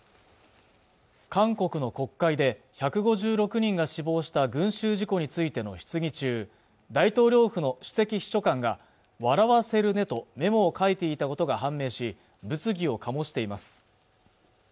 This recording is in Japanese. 韓国の国会で１５６人が死亡した群集事故についての質疑中大統領府の首席秘書官が「笑わせるね」とメモを書いていたことが判明し物議を醸しています